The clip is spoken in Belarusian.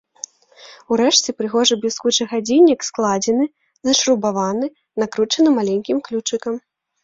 Урэшце прыгожы бліскучы гадзіннік складзены, зашрубаваны, накручаны маленькім ключыкам.